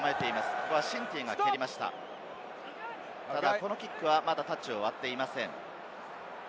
このキックはまだタッチを割っていません。